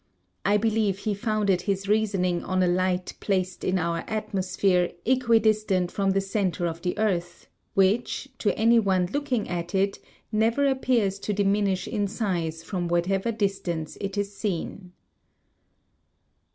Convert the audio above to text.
I believe he founded his reasoning on a light placed in our atmosphere equidistant from the centre of the earth, which, to any one looking at it, never appears to diminish in size from whatever distance it is seen.